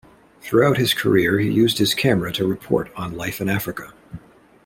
Throughout his career, he used his camera to report on life in Africa.